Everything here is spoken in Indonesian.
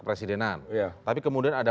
presidenan tapi kemudian ada